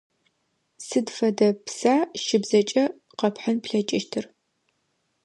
Сыд фэдэ пса щыбзэкӀэ къэпхьын плъэкӀыщтыр?